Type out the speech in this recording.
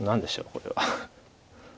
これは。